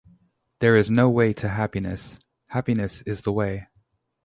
There is no way to happiness – happiness is the way.